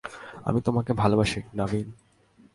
আমি তোমাকে ভালোবাসি, নাভিন।